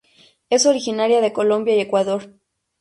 Es originaria de Colombia y Ecuador.